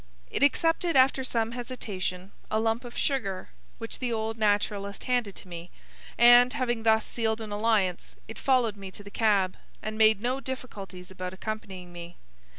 It accepted after some hesitation a lump of sugar which the old naturalist handed to me, and, having thus sealed an alliance, it followed me to the cab, and made no difficulties about accompanying me.